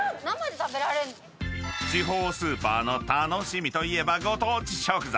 ［地方スーパーの楽しみといえばご当地食材］